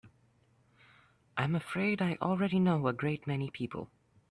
I'm afraid I already know a great many people.